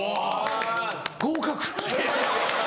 合格！